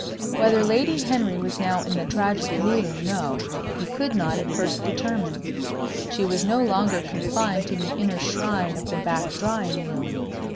Whether Lady Henry was now in the tragic mood or no, he could not at first determine. She was no longer confined to the inner shrine of the back drawing room.